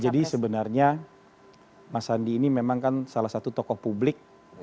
jadi sebenarnya mas sandi ini memang kan salah satu tokoh publik